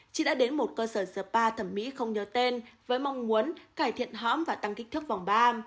chị đã đến một cơ sở sệpa thẩm mỹ không nhớ tên với mong muốn cải thiện hõm và tăng kích thước vòng ba